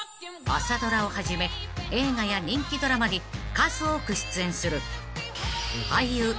［朝ドラをはじめ映画や人気ドラマに数多く出演する］